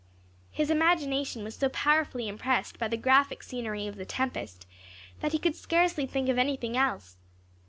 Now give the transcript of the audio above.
His imagination was so powerfully impressed with the graphic scenery of "The Tempest," that he could scarcely think of anything else.